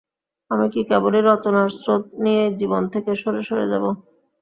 আমি কি কেবলই রচনার স্রোত নিয়েই জীবন থেকে সরে সরে যাব।